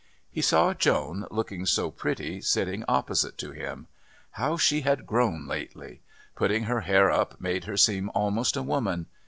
He saw Joan, looking so pretty, sitting opposite to him. How she had grown lately! Putting her hair up made her seem almost a woman.